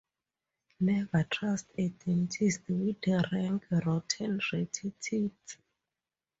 Never trust a dentist with rank, rotten, ratty teeth.